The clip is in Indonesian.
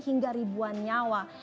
hingga ribuan nyawa